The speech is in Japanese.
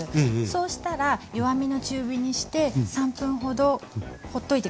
そうしたら弱めの中火にして３分ほどほっといて下さい。